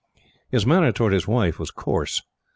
His manner towards his wife was coarse.